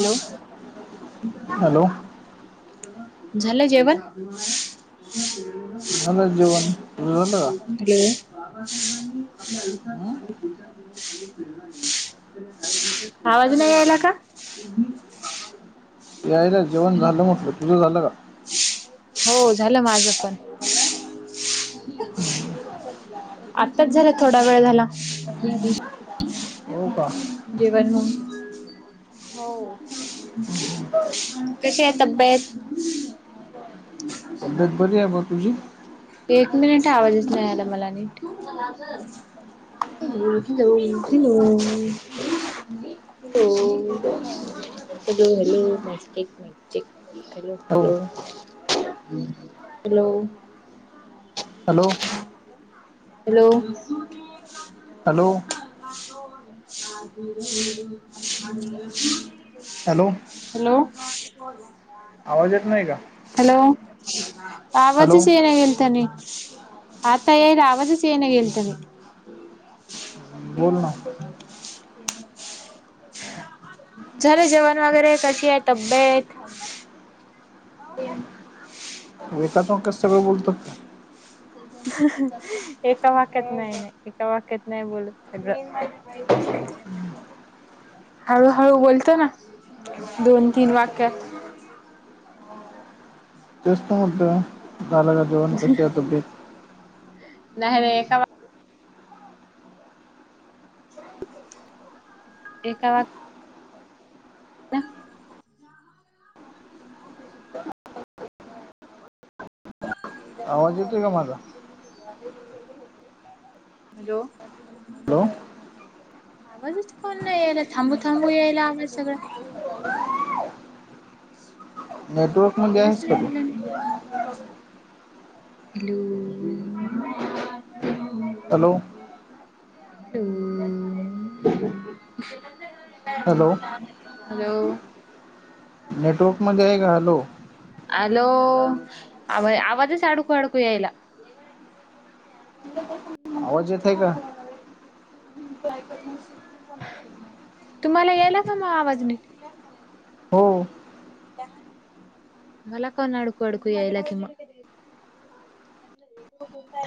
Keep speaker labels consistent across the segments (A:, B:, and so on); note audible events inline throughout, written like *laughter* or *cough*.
A: Hello.
B: Hello
A: झालं जेवण?
B: झालं जेवण तुझ झालं?
A: बाबासाहेबांनी आपल्या
B: हं?
A: आयुष्यात अनेक विचार केले आणि प्रेरणा दिल्या आवाज नाही यायला का?
B: यायला जेवण झालं म्हटलं तुझं झालं का?
A: हो झालं माझं पण.
B: *unintelligible*
A: आताच झाला थोडा वेळ झाला.
B: हो का
A: जेवण मग हो कशी आहे तब्येत?
B: तब्येत बरी आहे बुवा तुझी?
A: एक मिनिट आवाजच नाही आला मला नीट hello hello hello hello hello mic check mic check hello
B: हो
A: hello hello.
B: Hello.
A: Hello.
B: Hello.
A: *unintelligible*
B: Hello.
A: Hello
B: आवाज येत नाही का
A: हॅलो.
B: हॅलो
A: आवाजच येईना गेलता नीट आता येईला आवाजच येईना गेलता नीट
B: बोलना
A: झालं जेवण वगैरे कशी आहे तब्येत?
B: तीन. *unintelligible* एकाच वाक्यात सगळं बोलतो काय?
A: एका वाक्यात नाही नाही एका वाक्यात नाही बोलत सगळं हळूहळू बोलतो ना दोन तीन वाक्यात
B: तेस्त मोठं झाल का जीवन कशीतो बी
A: नाही रे एका वा एका वा *unintelligible*
B: आवाज येतो आहे का माझा
A: हॅलो!
B: हॅलो
A: आवाजच कोण नाही यायला थांबू थांबू यायला आवाज सगळा.
B: Network.
A: *unintelligible*
B: Hello
A: *unintelligible* to *unintelligible*
B: hello!
A: Hello!
B: Network मध्ये आहे का हॅलो.
A: हॅलो आ आवाजच अडकू अडकू यायला.
B: *unintelligible* आवाज येतय का? काय कर नस.
A: तुम्हाला याला का मग आवाज निघ.
B: हो.
A: मला कोण अडकू अडकू यायला कि म.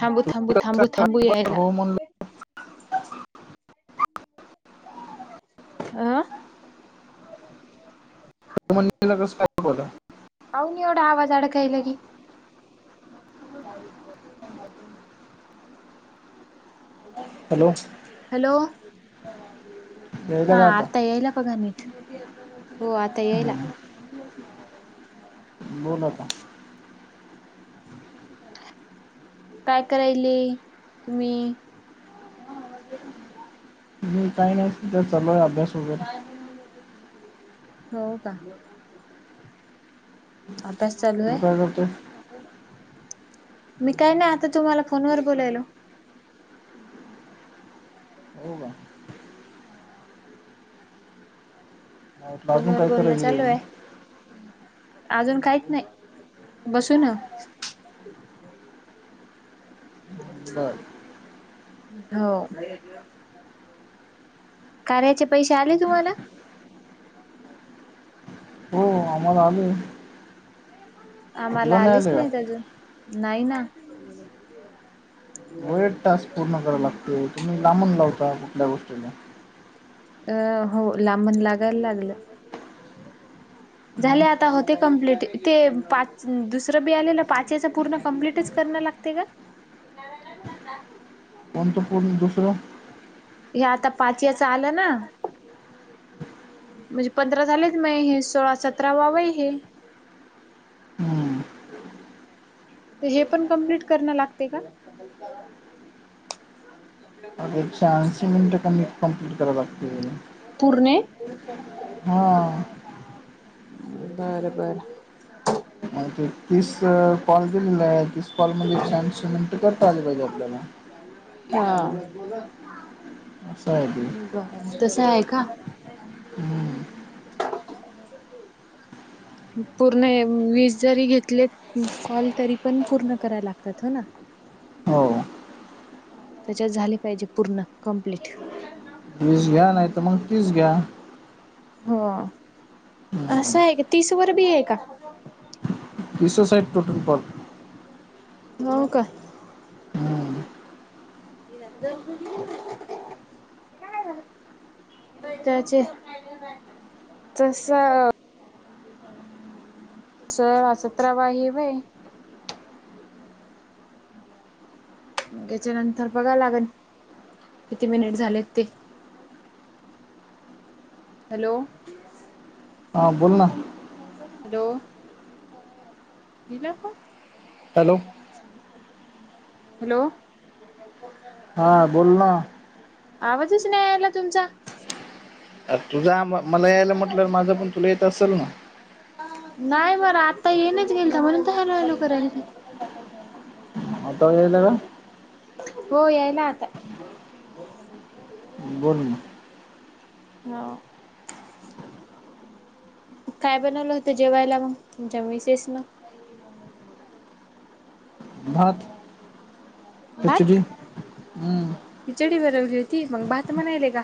A: थांबू थांबू थांबू थांबू येयला.
B: हो म्हणलं
A: *inaudible* *inaudible*
B: *unintelligible*
A: काऊन एवढा आवाज अडाकायला की.
B: हॅलो!
A: हॅलो!
B: यायला
A: हा
B: का
A: आता यायला बघा नीट हो आता यायला.
B: बोल
A: *inaudible*
B: आता
A: काय करायले तुम्ही?
B: ह का नाही. तर चलोय अभ्यास वगैरे.
A: हो का. आभस चालू आहे.
B: *unintelligible*
A: मी काय नाही आता तुम्हाला फोनवर बोलायलो.
B: हो का
A: *inaudible*
B: मला वाटलं
A: फोन
B: अजून
A: व
B: काय
A: बोलणं
B: करायची
A: चालू आहे.
B: पाहिजे
A: अजून काहीच नाही बसू ना.
B: बर
A: हो. कार्याचे पैसे आले तुम्हाला?
B: आम्हा आले.
A: आम्हाला
B: तुला
A: आलेच
B: आले का
A: नाही अजून नाही ना.
B: वेळट टास्क पूर्ण कराव लागते तुम्ही लांबून लावता कुठल्या गोष्टीला.
A: अ हो लांबण लागायला लागलं.
B: मग
A: झाले आता होते कंप्लीट ते पाच दुसरं बी आलेलं पाच याचा पूर्ण कम्प्लीटच. कर लागते का. *unintelligible*
B: *unintelligible*
A: हे आता पाचयाच आलं ना. म्हणजे पंधरा झालेच म हे सोळा सतरा वावा हे.
B: हम्म.
A: अच्छा. तर हे पण कंप्लीट करणं लागते का. ह.
B: मग एकशे ऐंशी मिनट क कम्प्लीट कराव लागते.
A: पुरणे.
B: हा.
A: बर बर.
B: ते तीस कॉल केलेला तीस. कॉलमली स सिमेंट करता आले पाहिजे आपल्याला.
A: हा
B: असं आहे ते
A: बर तस आहे का?
B: हम्म.
A: पूर्ण वीस जरी घेतले कॉल तरी पण पूर्ण करायला लागतात हो ना.
B: हो.
A: त्याच्यात झाले पाहिजे पूर्ण कंप्लीट.
B: वीस घ्या नाही तर मग तीस घ्या.
A: हो
B: हम्म
A: असं आहे क तीसवर बी आहे का.
B: विसोसईड टोटून पॉट.
A: हो का.
B: हम्म
A: ये जा. त्याचं तस अस असत्रवा हे वय. त्याच्या नंतर बघा लागेल किती मिनिट झालेत ते. हॅलो.
B: हां बोल ना.
A: हॅलो कला.
B: हॅलो.
A: हॅलो.
B: हा बोल ना.
A: आवाजच नाही्या आला तुमचा.
B: तुझा आ मला यायला म्हटलं माझं पण तुला येत असेल ना.
A: नाही मला आता येईनाच झालता म्हणून तर हॅलो हॅलो करतीये.
B: आता येईला ना.
A: हो यायला आता.
B: बोल.
A: हा. काय बनवलं होतं जेवायला मग तुमच्या मिसेस न. अच्छा.
B: भात
A: भात
B: खिचडी हम्.
A: खिचडी बनवली होती मग भात बनवला का?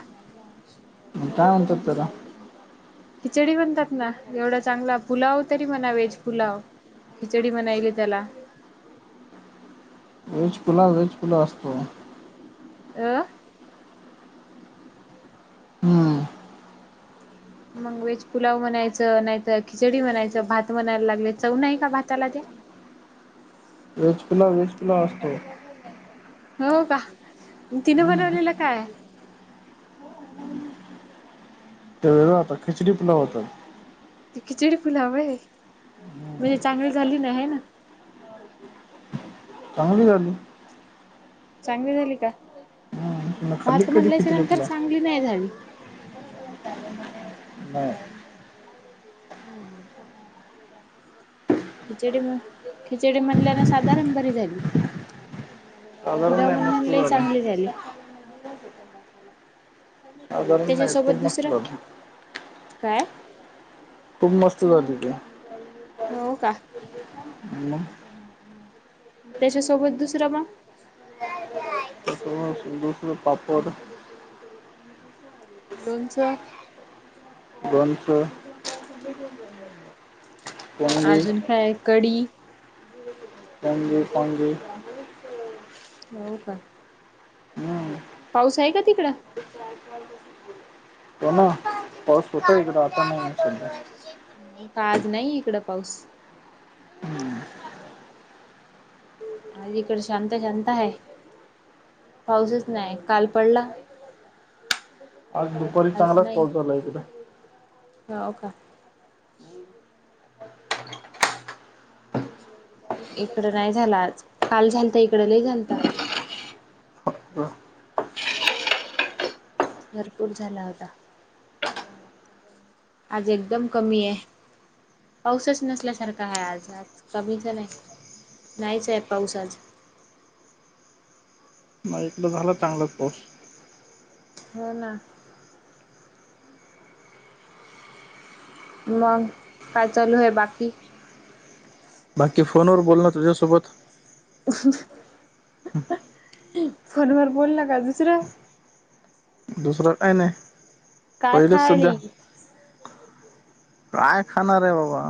B: म काय म्हणतात तर.
A: खिचडी बणतात ना एवढा चांगला पुलाव तरी म्हणा वेज पुलाव. खिचडी म्हनायली त्याला.
B: व्हेज पुलाव, व्हेज पुलाव असतो.
A: *unintelligible*
B: हम्म.
A: मग वेज पुलाव म्हणायचं नाहीतर खिचडी म्हनायचं भात म्हनायला लागले चव नाही आहे का भाताला ते.
B: वेज कुला वेजपुला असतो.
A: हो का तिनं
B: हम्म
A: बनवलेलं काय.
B: त्या वेळ आता खिचडी पुुलाव होतात.
A: ती खिचडी फुलाव आहे म्हणजे चांगली झाली ना आहे ना.
B: चांगली झाली.
A: चांगली झाली का
B: हम्म तुला खाल्ली
A: भात
B: कधी
A: म्हणल्याच्या
B: खिचडी
A: नंतर
B: तुला
A: चांगली नाही झाली.
B: *unintelligible* *unintelligible*
A: हम्म. खिचडी खिचडी म्हणल्याला साधारण बरी झाली.
B: साधारण
A: पुला
B: नाही मस्त
A: म्हला चांगली झाली.
B: साधारण नाही
A: त्याच्यासोबत
B: खूप
A: दुसरं
B: मस्त.
A: काय?
B: खूप मस्त झाले.
A: हो का.
B: *unintelligible*
A: त्याच्यासोबत दुसरा मग.
B: *unintelligible* पापड.
A: लोणचं.
B: दोनस.
A: हम्म
B: पोंगे
A: अजून काय आहे कडी.
B: पजे पणजे
A: हो का. पाऊस आहे का तिकडं.
B: य *unintelligible* ते ना पाऊस होतोय एकदा आता नाही सध्या.
A: आज नाही इकड पाऊस.
B: हम्म
A: आज इकड शांत शांत आहे पाऊसच नाही काल पडला.
B: आज दुपारी चांगलाच पाऊस झाला एककदा.
A: ह का. इकडं नाही झाला आज काल झाल तर इकडं ल झालता.
B: ब-
A: भरपूर झाला होता. आज एकदम कमी आहे. पाऊसच नसल्यासारखा आहे आज आज कमीच नाही नाहीच आहे पाऊस आज.
B: मग एकडं झालं चांगलंच पोर्स.
A: हो ना. मग का चालू आहे बाकी.
B: बाकी फोनवर बोल ना तुझ्यासोबत.
A: ह *unintelligible* फोनवर बोलला का दुसरं.
B: दुसरं काही नाही
A: काय
B: पहिलेच सध्या.
A: खायली
B: प्रय खान र आहे बाबा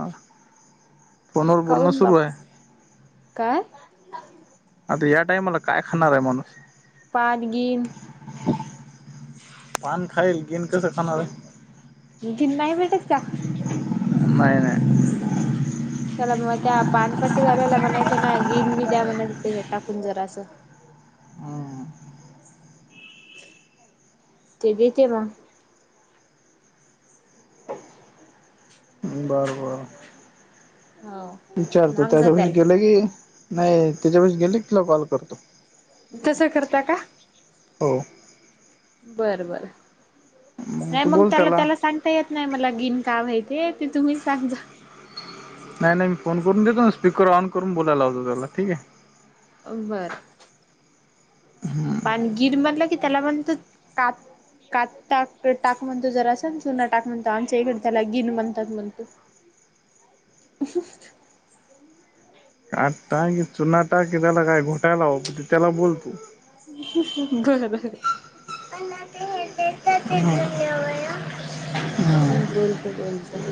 B: फोनवर बोलणं
A: काऊन
B: सुरू आहे
A: बा्पा काय
B: आता या टाइमाला काय खाणार आहे माणूस
A: पाातगन
B: पान खाईल गेन कसं खाणार आहे
A: गिन नाही भेटत का
B: नाही नाही
A: त्याला मग त्या पानपाट्टी वाल्याला म्हणायचं ना गिन बी द्या म्हणायचं त्याच्यात टाकून जरासं
B: हम्म
A: ते देते मग
B: बरं बरं
A: हो
B: विचारतो
A: मांग जा
B: त्याच्यापे
A: त्याला
B: गेले की नाही त्याच्याप गेले तिला कॉल करतो
A: तसं करता का
B: हो
A: बर बर नाही मग त्याला त्याला सांग ते येत नाही मला गिन काम हाय ते तुम्हीच सांगजा
B: नाही नाही मी फोन करून देतो ना स्पिकर ऑन करून बोलायला होतो त्याला ठीक आहे
A: बरं पाणगीर म्हणलं की त्याला म्हणत काप कात टाक टाक म्हणतो जरास चुना टाक म्हणतो आमच्या इकडे त्याला गिन म्हणतात म्हणतो असचं
B: कात टाक की चुना टाक त्याला काय घोटाया लावतो ते त्याला बोलतो.
A: बरर
B: अ ना ते हते हम् हम *inaudible*
A: हम् बोलते बोलता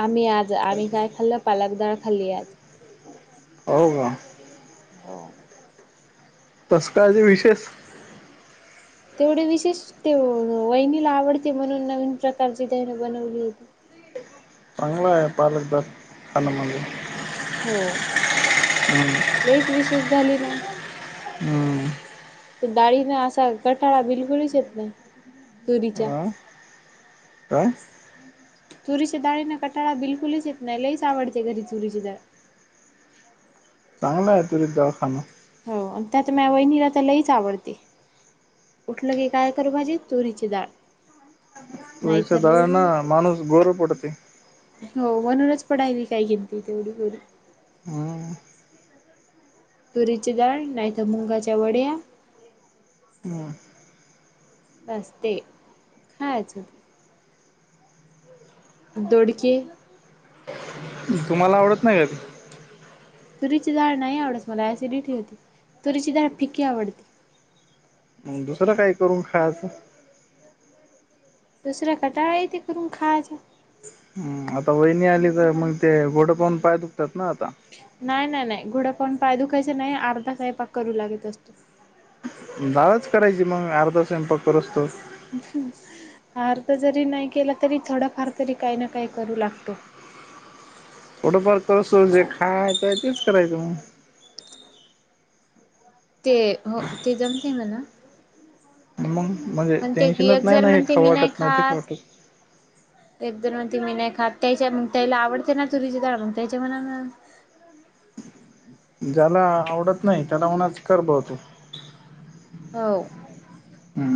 A: आम्ही आज आम्ही काय खाल्ल पालकदाळ खाल्ली आज
B: हो का
A: हो
B: तस काय ते विशेष
A: तेवढे विशेष ते वहिनीला आवडते म्हणून नवीन प्रकारची तैनं बनवली होती
B: चांंगला पालक बस खाणं म्हणजे
A: हो लईच विशेष झाली ना आज
B: हम
A: ते डाळीना असा गठाळा बिलकुलच येत नाही तुरीच्या
B: अ काय
A: तुरीच्या डाळीने कटाळा बिलकुलच येत नाही लईच आवडते घरी तुरीची डाळ
B: आनला तुलेच दवाखाना
A: हो त्यात माह्या वहिनीला त लईच आवडते. उठलं की काय करू भाजी तुरीची डाळ
B: तुरीच्या
A: नाहीतर
B: डाळना माणूस गोर पडते.
A: हो म्हणूनच पडायली काय कीतीॅ तेवढी गोरी
B: हम्म
A: तुरीची डाळ नाहीतर मुंगाच्या वड्या
B: हम
A: बास ते खायाच दोडके
B: तुम्हाला आवडत नाही कधी.
A: तुरीची डाळ नाही आवडत मला ऍसिडिटी होते तुरीची डाळ फिक्की आवडते.
B: दुसरं काही करून खायचं.
A: दुसऱ्या कटाळा तेे करून खायचा.
B: आता वहिनी आली तर मग ते घोडं पाहून पाय दुखतात ना आता.
A: नाही नाही नाही घोडपाहुन पाय दुखायच नाही अर्ध सैपाक पाक करू लागत असतो.
B: दालच करायची मग अर्धा स्वयंपाक करूस पर्यंत.
A: फार तर जरी नाही केला तरी थोडाफार तरी काही ना काही करू लागतो.
B: थोडंफार करसोतर जे खायाचे आहे तेच करायचं मग.
A: ते हो ते जमते मणा.
B: आणि मग मग.
A: म्हण तेयक जर म्हणते मी नाही
B: खाऊ
A: खास.
B: वाटत
A: एकदर मग ती मी नाही खात त्याच्याग त्याला आवडते ना तुरीचे ड मग त्याच्या मना ना.
B: ज्याला आवडत नाही त्याला म्हणाच कर बघ.
A: होव.
B: हम.